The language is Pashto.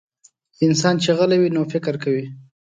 انسان چې غلی وي، نو فکر کوي.